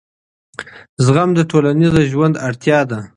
زغم د ټولنیز ژوند اړتیا ده.